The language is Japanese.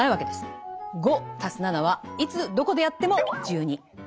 ５＋７はいつどこでやっても１２。